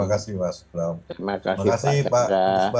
terima kasih pak